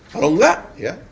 kalau nggak ya